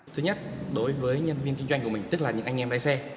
thứ nhất đối với nhân viên kinh doanh của mình tức là những anh em lái xe